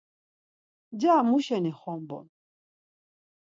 Nca muşeni xombun?